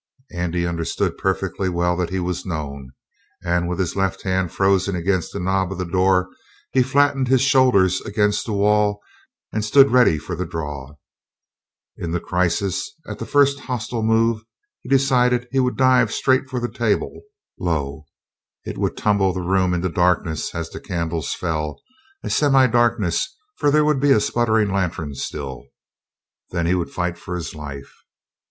Andy understood perfectly that he was known, and, with his left hand frozen against the knob of the door, he flattened his shoulders against the wall and stood ready for the draw. In the crisis, at the first hostile move, he decided that he would dive straight for the table, low. It would tumble the room into darkness as the candles fell a semidarkness, for there would be a sputtering lantern still. Then he would fight for his life.